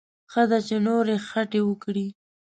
ښه ده چې نورې خټې وکړي.